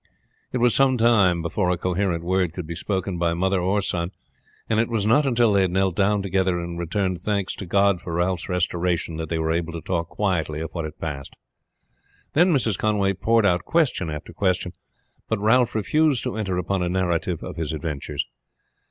It was some time before a coherent word could be spoken by mother or son, and it was not until they had knelt down together and returned thanks to God for Ralph's restoration that they were able to talk quietly of what had passed. Then Mrs. Conway poured out question after question, but Ralph refused to enter upon a narrative of his adventures.